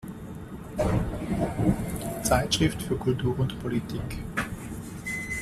Zeitschrift für Kultur und Politik.